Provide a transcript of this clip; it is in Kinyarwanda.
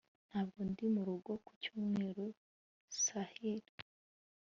Ntabwo ndi murugo ku cyumweru Serhiy